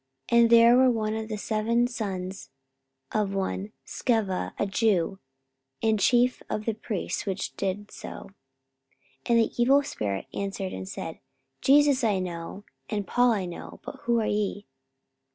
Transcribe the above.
44:019:014 And there were seven sons of one Sceva, a Jew, and chief of the priests, which did so. 44:019:015 And the evil spirit answered and said, Jesus I know, and Paul I know; but who are ye?